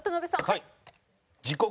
はい。